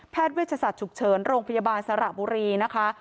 เวชศาสตร์ฉุกเฉินโรงพยาบาลสระบุรีนะคะ